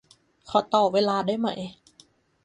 ขอต่อเวลาได้ไหม